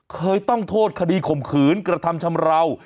เคยต้องโทษคดีข่มขืนกระทำชำราว